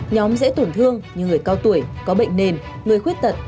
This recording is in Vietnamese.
nhóm dễ tổn thương như người cao tuổi có bệnh nền người khuyết tật